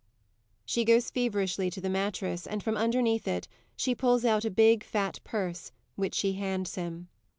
[_She goes feverishly to the mattress, and from underneath it she pulls out a big, fat purse which she hands him.